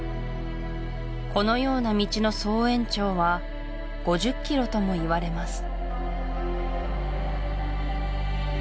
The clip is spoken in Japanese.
このような道の総延長は５０ｋｍともいわれます